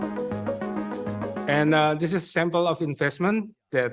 dan ini adalah sampel investasi yang kami tawarkan kepada banyak dari anda yang ingin berinvestasi di nusantara